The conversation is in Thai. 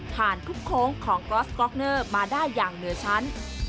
ทุกโค้งของกรอสก๊อกเนอร์มาได้อย่างเหนือชั้น